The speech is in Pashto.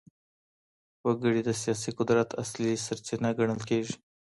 وګړي د سياسي قدرت اصلي سرچينه ګڼل کېږي.